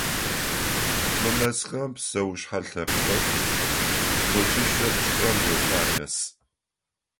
Мы мэзхэм псэушъхьэ лъэпкъэу тӏокӏищрэ пшӏырэм ехъу ахэс.